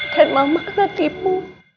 dan mama kena tipu